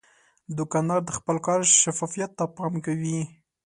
دوکاندار د خپل کار شفافیت ته پام کوي.